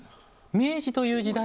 明治という時代に。